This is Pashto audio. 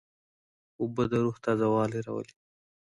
اوبه د روح تازهوالی راولي.